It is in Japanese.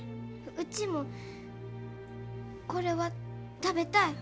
うちもこれは食べたい。